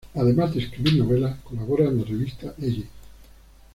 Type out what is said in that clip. Además de escribir novelas, colabora en la revista Elle.